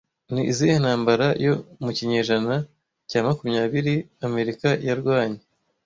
Ni izihe ntambara yo mu kinyejana cya makumyabiri amerika yarwanye